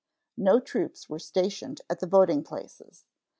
No troops were stationed at the voting places.